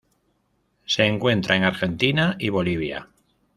Se encuentra en Argentina y Bolivia.